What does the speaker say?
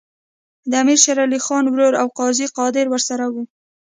د امیر شېر علي خان ورور او قاضي قادر ورسره وو.